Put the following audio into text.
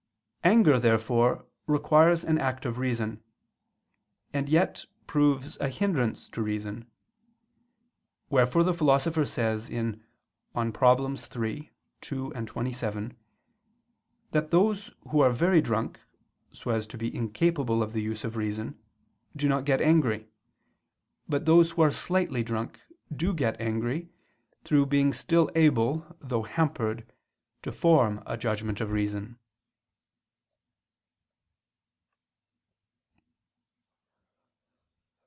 Anger, therefore, requires an act of reason; and yet proves a hindrance to reason. Wherefore the Philosopher says (De Problem. iii, 2, 27) that whose who are very drunk, so as to be incapable of the use of reason, do not get angry: but those who are slightly drunk, do get angry, through being still able, though hampered, to form a judgment of reason.